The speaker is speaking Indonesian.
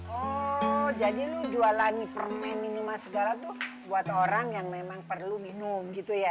oh jadi lu jualan permen minuman segala tuh buat orang yang memang perlu minum gitu ya